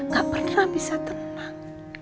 gak pernah bisa tenang